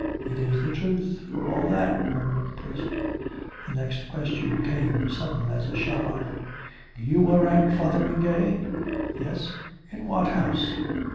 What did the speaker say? " It is the truth, for all that," murmured the priest. The next question came sudden as a shot fired: " You were at Fotheringay ?"" Yes." "In what house?"